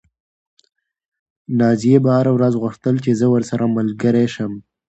نازيې به هره ورځ غوښتل چې زه ورسره ملګرې شم.